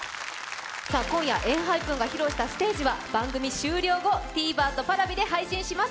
今夜ＥＮＨＹＰＥＮが披露したステージは番組終了後、ＴＶｅｒ・Ｐａｒａｖｉで配信します。